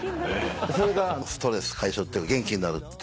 それがストレス解消っていうか元気になる。